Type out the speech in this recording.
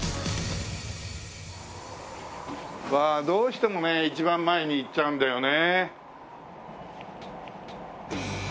わあどうしてもね一番前に行っちゃうんだよね。